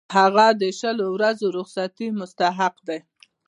هغه د شلو ورځو رخصتۍ مستحق دی.